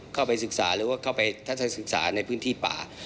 เข้าไปศึกษาหรือว่าเข้าไปทัศนศึกษาในพื้นที่ป่า